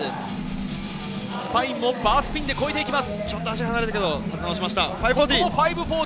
スパインもバースピンで越えていきます。